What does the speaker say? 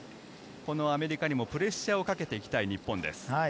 アメリカにもプレッシャーをかけていきたい日本です。